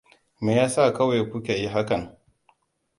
Me yasa kawai kuka yi hakan?